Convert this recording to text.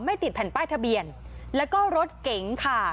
ติดแผ่นป้ายทะเบียนแล้วก็รถเก๋งค่ะ